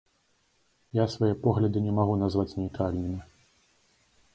Я свае погляды не магу назваць нейтральнымі.